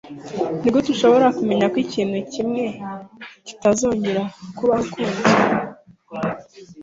Nigute ushobora kumenya ko ikintu kimwe kitazongera kubaho ukundi?